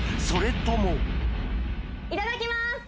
それともいただきます！